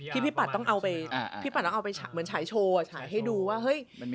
พี่ปัดต้องเอาไปเหมือนฉายโชว์อะฉายให้ดูว่าเฮ้ย